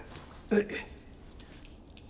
はい。